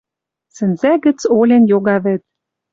Сӹнзӓ гӹц олен йога вӹд.